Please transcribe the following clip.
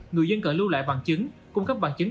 người dân cần lưu lại bằng chứng cung cấp bằng chứng